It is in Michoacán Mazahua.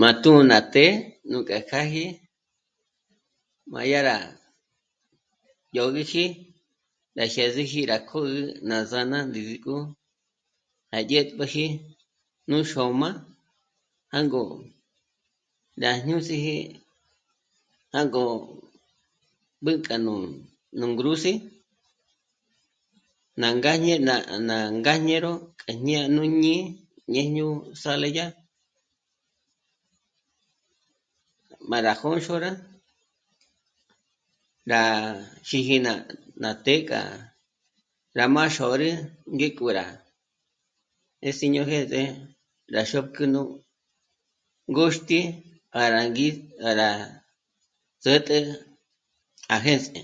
M'a tū́'ū ná të́'ë nújka k'áji m'a dyàrá ndzhógiji ná jiéseji ná kö̀gü ná zā̀na ndǜnü k'o à dyètpjüji nú xôma jângo rá jñús'iji jângo mbǘk'ano nú ngrúsi ná ngáñe ná ngáñero k'a jñá'a nú jñí'i ñë́jñu sale dyá, m'a rá jônxorá... rá jíji ná të́'ë k'a m'a xôrü ngéko rá 'èsiñojése rá xópkü nú ngôxti para gí... para zä̌t'ä à jêns'e